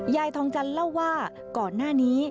ยายทองจันทร์เล่าว่าก่อนหน้านี้